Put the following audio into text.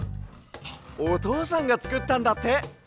おとうさんがつくったんだって。